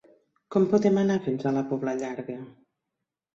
Com podem anar fins a la Pobla Llarga?